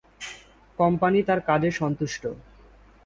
Company তার কাজে সন্তুষ্ট।